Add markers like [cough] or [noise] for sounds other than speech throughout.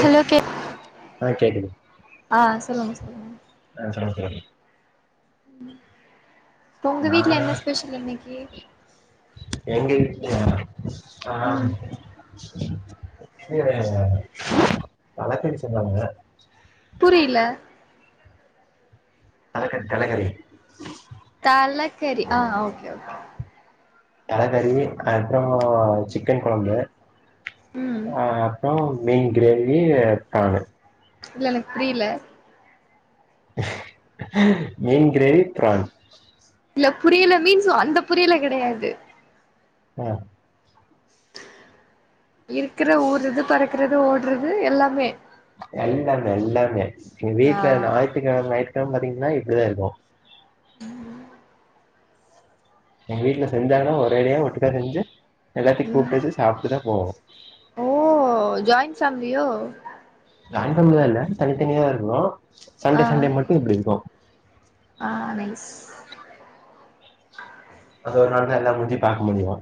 hello கேக் ஆ கேக்குது ஆ சொல்லுங்க சொல்லுங்க ஆ சொல்லுங்க சொல்லுங்க ம் உங்க நா வீட்ல என்ன ஸ்பெஷல் இன்னிக்கு [unintelligible] கீ ரைஸ் தாங்க தலக்கறி சொன்னாங்க புரியில தலக்கறி தலக்கறி தலக்கறி ஆ ஓகே ஓகே தலக்கறி அதுக்கப்றோ சிக்கன் கொழம்பு ம் அ அப்றோ மீன் க்ரேவி, ப்ரானு இல்ல எனக் புரியில மீன் க்ரேவி, ப்ரான் இல்ல புரில மீன்ஸ் அந்த புரில கிடையாது அ இருக்ற ஊற்றது பறக்கறது ஓட்றது எல்லாமே எல்லாமே எல்லாமே ஏ ஆ வீட்டுல ஞாயித்துகிழம கிழம பாத்தீங்கன்னா இப்டிதா இருக்கு எங்க வீட்ல செஞ்சாங்கன்னா ஒரேடியா ஒட்டுக்கா செஞ்சு எல்லாத்தை ம் கூப்டுவச்சு சாப்டுதா போவோ பேம்லியோ ஜாயிண்பேம்லில்ல தனித்தனிய இருக்குறோ ஆ சண்டே சண்டே மட்டு இப்டி இருக்கோ ஆ நைஸ் அது ஒரு நாள் தா எல்லா மூஞ்சியு பாக்க முடியு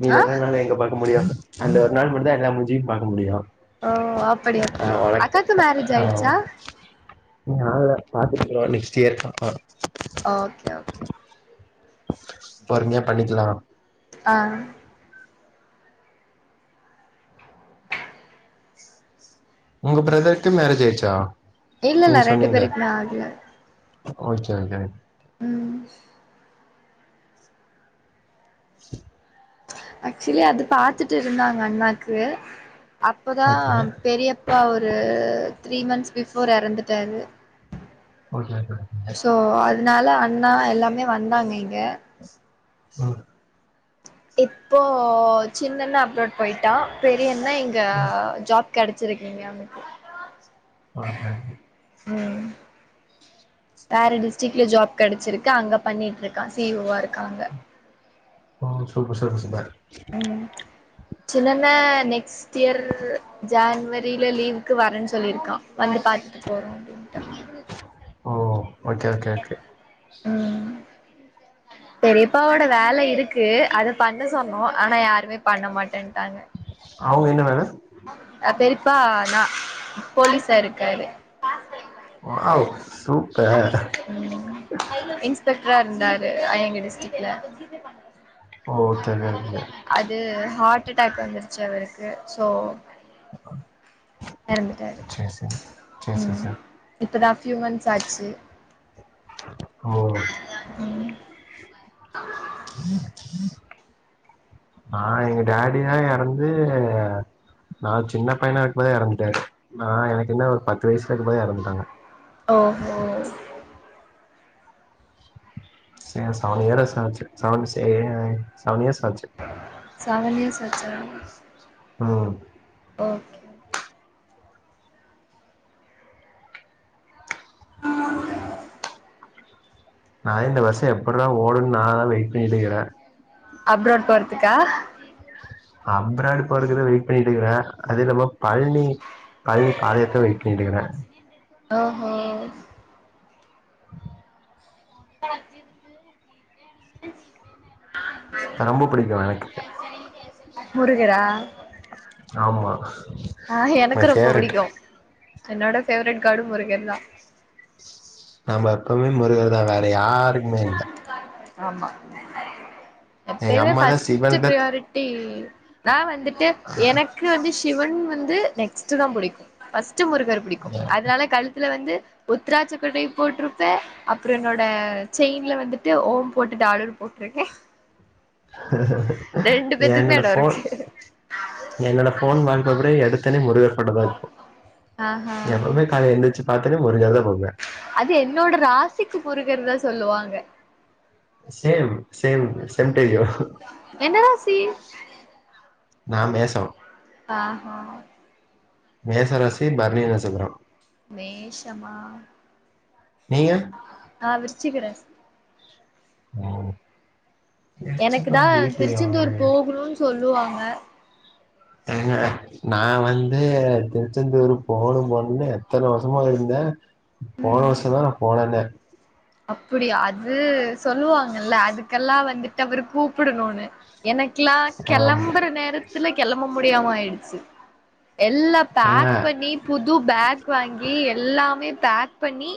மீதி ஆ எல்லநாலு எங்க பாக்க முடியு அந்த ஒரு நாள் மட்டுதா எல்லா மூஞ்சியு பாக்க முடியு ஓ அப்படி ஆ அப்படி உனக்கு அக்காக்கு மேரேஜ் ஆயிடுச்சா ஆகல பாத்துருக்கிறோ நெக்ஸ்டு இயர்கு அப்பறோ ஓகே ஓகே பொறுமயா பண்ணிக்கலா ஆ உங்க ப்ரதர்க்கு மேரேஜ் ஆயிடுச்சா இல்லல்ல நீங்க ரெண்டு சொன்னீங்களே பேருக்குமே ஆக்ல ஓகே ஓகே ம் ஆக்சுலி அது பாத்துட்டு இருந்தாங்க அண்ணாக்கு அப்பதா ஓகே பெரியப்பா ஒரு த்ரீ மந்த்ஸ் பிபோர் எறந்துட்டாரு [unintelligible] அதுனால அண்ணா எல்லாமே வந்தாங்க இங்க ம் இப்போ சின்னன்னே அப்ராடு போயிட்டா பெரியண்ணே இங்க ம் ஜாப் கெடச்சிருக்கு இங்க அவனுக்கு ஆ தேங்க்யு ம் வேற டிஸ்ட்ரிக்ல ஜாப் கெடச்சிருக்கு அங்க பண்ணிட்ருக்கா சி யு வா இருக்காங்க ஓ சூப்பர் சூப்பர் சூப்பர் ம் சின்னன்னே நெக்ஸ்ட்டியர் ஜன்வரி ரீல லீவுக்கு வர்றன்னு சொல்லிருக்கா வந்து பாத்துட்டு போறோ அப்டின்ட்டு ஓ ஓகே ஓகே ஓகே ம் பெரியப்பாவோட வேல இருக்கு அத பண்ண சொன்னோ ஆனா யாருமே பண்ண மாட்டேன்டாங்க அவ்ங்க என்ன வேல பெரிப்பா நா போலீஸாயிருக்காரு வாவ் சூப்பர் இன்ஸ்பெக்ட்ரா இருந்தா ரு எங்க டிஸ்டிக்ல ஓ தெரியாதுங்க ஆட்டடாக் வந்துருச்சு அவருக்கு சோ எறந்துட்டாரு சேர் சேர் சேர் சேர் ம் சேர் இப்பதா பியூமன்ஸ் ஆச்சு ஓ ம் நா எங்க டாடிலா எறந்து நா சின்ன பையனா இருக்கு போதே எறந்துட்டாரு நா எனக்கு என்ன ஒரு பத்து வயசுல இருக்குபோதே எறந்துட்டாங்க ஓ கோ செ சவன் இயர்ஸ் ஆச்சி சவன் செ சவன் இயர்ஸ் ஆச்சு செவன் இயர்ஸ் ஆச்சா ம் ஓகே ஓகே நானே இந்த வர்ஷம் எப்பிடிற ஓடுன்னு நானா வெயிட் பண்ணிட்டிக்குறே அப்ராட் போற்துக்கா அப்ராட் போறதுக்குதா வெயிட் பண்ணிட்டு இருக்குறே அது நம்ம பழ்னி பழ்னி பாதையாத்ர வெயிட் பண்ணிட்டிருக்கிறே ஓஹோ [unintelligible] அஜிதுக்கு [unintelligible] ரொம்ப புடிக்கு எனக்கு முருகரா ஆமா ஆ மை எனக்கு ரொம்ப ஃபேவரட் புடிக்கு என்னோட பேவரட் காடு முருகர்தா நம்ம எப்பமே முருகர் தா வேற யாருக்குமே இல்ல ஆமா எங்க எப்பமே அம்மாதா ஃப்ஸ்ட் சிவனுக்கு பிரயாரிட்டி தா வந்துட் டு எனக்கு வந்து சிவன் வந்து நெக்ஸ்ட் தா புடிக்கும் ஃப்ஸ் த்து முருகர புடிக்கு தா அதனால கல்து இதுல வந்து உத்தராட்சக் கொட்டையப் போட்டிருப்பே அப்புறோ என்னோட செயின்ல வந்துட்டு ஓம் போட்டுட்டு டாலர் போட்டுருக்கே என்னோட எடோ ஃபோன் இருக்கு என்னோட ஃபோன் வால்பேப்பரே எடுத்தனே முருகர் ஃபோட்டோதா இருக்கு ஆஹா எப்பவுமே கால எந்தந்துச்சு பாத்தான முருகர்த அது என்னோட ராசிக்கு முருகறதா சொல்லுவாங்க same same same to you என்ன ராசி நா மேஷோ ஆஹா மேச ராசி பரணி நட்சத்திரோ மேஷமா நீங்க ஆ விருச்சிக ராசி ஓ எனக்கு தா திருச்செந்தூர் போகணுனு சொல்லுவாங்க ஏங்க நா வந்து திருச்செந்தூரு போணு போணுன்னு எத்தன வருஷமா இருந்தே போன வருஷ தா நா போனனே அப்டியா அது சொல்லுவாங்கல்ல அதுக்கெல்லா வந்துட்டு அவரு கூப்பிடணுனு எனக்கெல்லா ஆமா கெளம்புற நேரத்துல கெளம்ப முடியாம ஆயிடுச்சு எல்லா ஏங்க பேக் பண்ணி புது பேக் வாங்கி எல்லாமே பேக் பண்ணி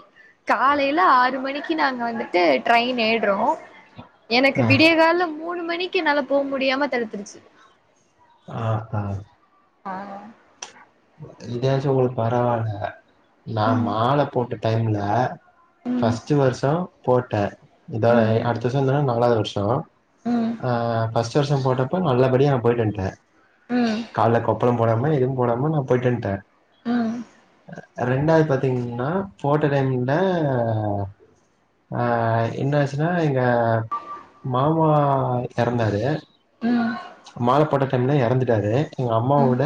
காலையில ஆறு மணிக்கு நாங்க வந்துட்டு ட்ரெயின் ஏடுறோ எனக்கு ஆ விடிய காலல மூணு மணிக்கு என்னால போ முடியாம தடுத்துருச்சு ஆ அ ஆ இதாச்சு உங்களுக்கு பரவாயில்ல நா ம் மால போட்டு டைம்ல ம் ஃப்ஸ்ட் வருஷோ போட்ட இதோய ம் அடுத்த வருஷோ வந்ததுனா நாலாவது வருஷோ ம் ஆ ஃப்ஸ்ட் வருஷோ போட்டப் ப நல்லபடியா நா போயட்டு வன்ட்டே ம் கால்ல கொப்பளம் போடாம எதுவு போடாம நா போய்ட்டு வன்ட்ட ம் ரெண்டாவது பாத்தீங்கன்னா போட்ட டைமிங்ல அ என்ன ஆச்சுன்னா எங்க மாமா எறந்தாரு ம் மாலை போட்ட டைம்லா எறந்துட்டாரு எங்க ம் அம்மாவோட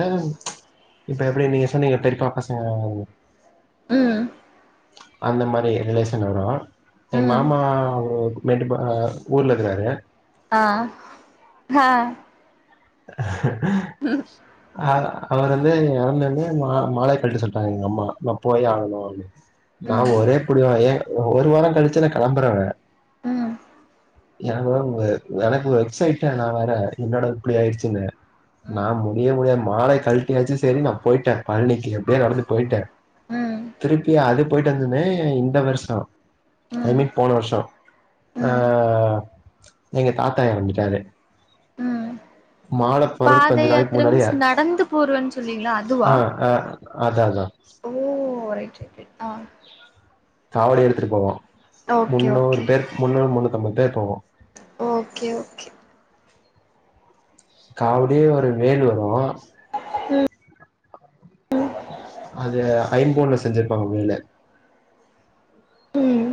இப்ப எப்டி நீங்க சொன்னீங்க பெரிப்பா பசங்க ம் அந்த மாரி ரிலேஷன் வரு எ ம் மாமா மெட்டு ஊர்ல இருக்குறாங்க ஆ ஆ ஆ அவரு வந்து எறந்தொன்னே மா மாலை கழட்ட சொல்லிட்டாங்க எங்க அம்மா நா போயே ஆகணு அவ நா ம் ஒரே ம் புடி ஏ ஒரு வார கழிச்சல்ல கெளம்புற ம் என எனக்கு எக்சைட்டா நா வேற என்னட இப்பிடி ஆயிடுச்சுன்ன நா ம் முடிய முடியா மாலய கழட்டி வச்சு சரி நா போயிட்டே பழனிக்கு எப்படியே நடந்து போயிட்டே திருப்பிய அது போயிட்டு வந்தோனே இந்த வருஷ ம் அந்த ம் மீட் போன வருஷ அ எங்க தாத்தா எறந்துட்டாரு ம் மால போறது கொஞ்ச பாத நாளைக்கு யாத்திர முன்னாடிய மீன்ஸ் ஆக்ஸ் நடந்து போறேன்னு சொல்லுவீங்களா அதுவா ஆ அ அதா அதா ஓ ரை ஆ காவடி எடுத்துட்டு போவோ ஓகே முன்னூறு ஓகே பேர் முன்னூறு முன்னூத்தம்பது பேர் போவோ ஓகே ஓகே காவுடியே ஒரு வேண்டுதலு ம் அது ஐம்பொன்ல செஞ்சிருப்பாங்க மேல ம்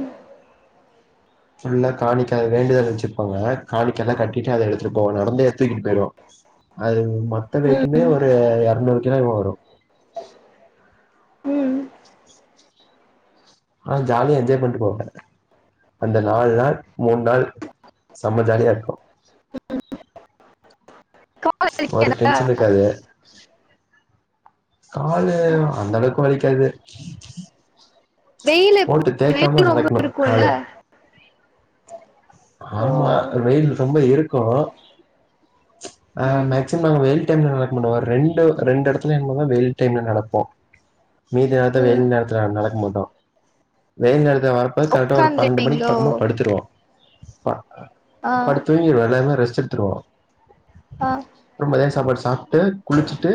புல்லா காணிக்காயை வேண்டுதல் வச்சிருப்பாங்க காணிக்க எல்லா கட்டிட்டு அத எடுத்துட்டு போவோ நடந்து ஏத்து தூக்கிட்டு போய்ருவோ அது மொத்த வெயட்டுமே ஒரு இரநூறு கிலோ வரு ம் ஆ ஜாலியா என்ஜாய் பண்ணிட்டு போவே அந்த நாலு நாள் மூணு நாள் செம்ம ஜாலியா இருக்கு ஒரு டென்ஷன் இருக்காது காலு அந்தளவுக்கு வலிக்காது வெயில் எப்டி போட்டு தேக்காம வெயில் ரொம்ப நடக்கணு இருக்குல்ல கால ஓ ஆமா வெயில் ரொம்ப இருக்கு ஆ ம் மேக்சிம நாங்க வெயில் டைம்ல நடக்கணுமோ ரெண்டு ரெண்டு எடத்துல என்னமா வெயில் டைம்ல நடப்போ மீதி நேரத்துல ம் வெயி நேரத்தில நடக்க மாட்டோ வெயில் நேரத்துல நடப்போ கரெக்டா ஒரு பன்னெண்டு மணிக்கு உக்காந்துருவீங்களோ பக்கமா படுத்துருவோ அ ஆ படுத்தூங்கிருவோ எல்லாருமே ரெஸ்ட் எடுத்துருவோ ஆ ரொம்ப மதியா சாப்பாடு சாப் ட்டு குளிச்சுட்டு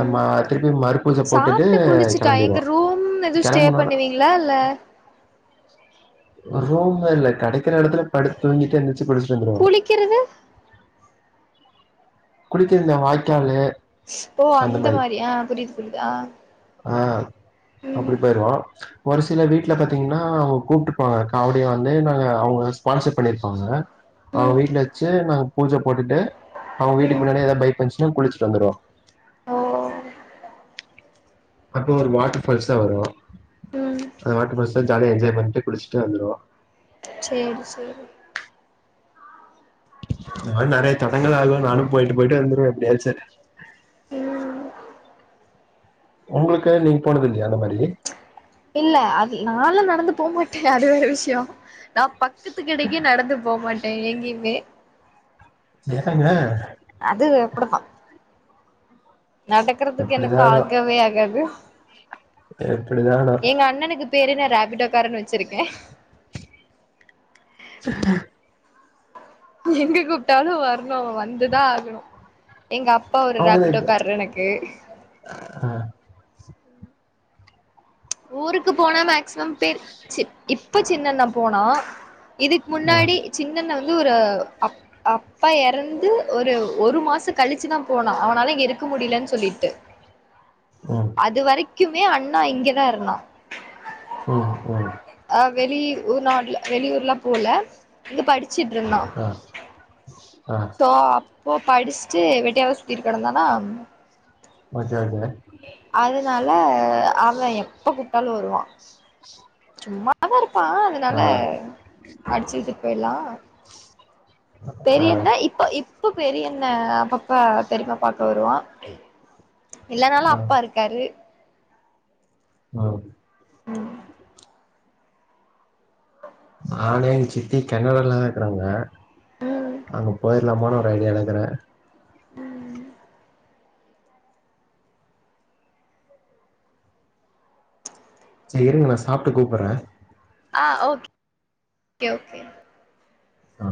ம் திருப்பி மறுப்பூச போட்டுட்டு சாப்ட்டு குளிச்சுட்டா எங்க கெளம்பிருவோ ரூம் கெளம்பனுன்னே ஆ ரூம் போட்ல கெடைக்கிற எடத்துல படுத்தூங்கிட்டு எந்திரச்சு குளிச்சிட்டு வந்துருவோ குளிக்கிறது குளிக்க இந்த வாய்க்காலு ஓ அந்த மாரி ஆ புரியுது புரியுதா ஆ ஆ அப்டி ம் போயிருவோ ஒரு சில வீட்டுல பாத்தீங்கன்னா அவங்க கூப்ட்ருப்பாங்க காவடிய வந்து நாங்க அவங்க ஸ்பான்சர் பண்ணிருப்பாங்க அவங்க ம் வீட்டுல வச்சே நாங்க பூச போட்டுட்டு அவங்க வீட்டுக்கு ம் பின்னாடி ஏதா பைப் இருந்துச்சுன்னா குச்சுட்டு வந்துருவோ ஓ அப்போ ஒரு வாட்டர் பஃபால்ஸ் தா வரு ம் அத வாட்டு பஸ ஜாலியா என்ஜாய் பண்ணிட்டு குளிச்சுட்டு வந்துருவோ சேரி சேரி ந நெறைய தடங்கள் ஆகு நானு போயிட்டு போயிட்டு வந்துடுவே எப்படியாச்சு ம் உங்களுக்கு நீங்க போனதுல்லையா அந்த மாரி இல்ல அத நானு நடந்து போமாட்டே அது வேற விஷய நா ப சத்துக்கிட்டக்கே நடந்து போ மாட்டே எங்கேங்கே என்னங்க அது எப்டுதா நடக்கறதுக்கு எனக்கு எப்டிதானோ ஆகவே ஆகாது எப்டிதானோ எங்க அண்ணனுக்கு பேரு நா ராபிடோக்காரன்னு வச் வச்சிருக்கே [inaudible] எங்க கூப்ட்டாலு வரணு வந்துதா ஆகணு எங்க அப்பா ஒரு அவுங்கதா ராப்பிட்டோ இப்ப கார்ரு எனக்கு ஊருக்கு போனா மேக்சிமம் பேர் இப்ப சின்னனா போன இதுக்கு ஆ முன்னாடி சின்னன் வந்து ஒரு அப் அப்பா எறந்து ஒரு ஒரு மாசம் கழிச்சுதா போனா அவனால இங்க இருக்க இருக் முடியலன்னு சொல்லிட்டு ம் அது வரைக்குமே அண்ணா இங்கதா இருந்தா ம் ம் அ வெளி உ நாட்ல வெளியூர்லா போல இங்க படிச்சுட்டு இருந்தா ஆ ஆ சோ அப்போ படிச்சுட்டு வெட்டியாவ சுத்திக்கிட்டு கடந்தானா ஓகே ஓகே அதுனால அவே எப்ப கூப்ட்டாலு வருவா சும்மாதா இருப்பா அதுனால ஆ அடிச்சுக்கிட்டு போயிட்லா ஆ பெரியன்ன இப்ப இப் இப்போ பெரியென்ன அப்பப்ப பெரிப்பா பாக்க வருவா இல்லனாலு ஆ அப்பா இருக்காரு ஆ நானே எங்க சித்தி கேனடாலதா இருக்கிறாங்க ம் அங்க போயிரலாமனு ஒரு ஐடியாலக்குறே ம் சேரி இருங்க நா சாப்ட்டு கூப்றே ஆ ஓக் கே ஓகே ஆ